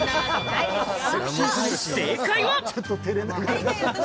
正解は。